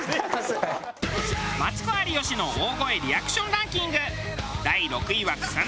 マツコ有吉の大声リアクションランキング第６位は草薙。